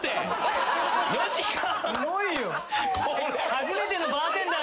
初めてのバーテンダーみたい。